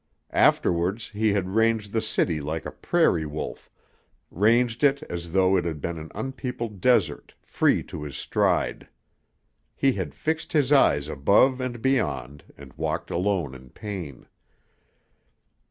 Afterwards he had ranged the city like a prairie wolf, ranged it as though it had been an unpeopled desert, free to his stride. He had fixed his eyes above and beyond and walked alone in pain.